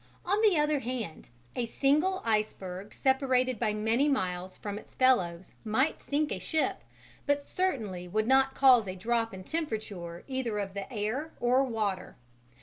On the other hand, a single iceberg separated by many miles from its fellows might sink a ship, but certainly would not cause a drop in temperature either of the air or water.